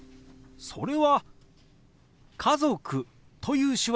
それは「家族」という手話ですよ。